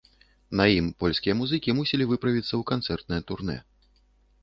На ім польскія музыкі мусілі выправіцца ў канцэртнае турнэ.